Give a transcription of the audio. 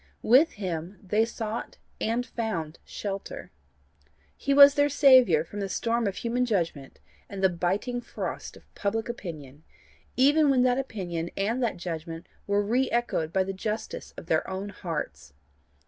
With him they sought and found shelter. He was their saviour from the storm of human judgment and the biting frost of public opinion, even when that opinion and that judgment were re echoed by the justice of their own hearts.